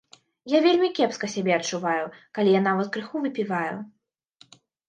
Я вельмі кепска сябе адчуваю, калі я нават крыху выпіваю.